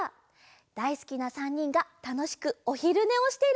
だいすきな３にんがたのしくおひるねをしているところなんだって。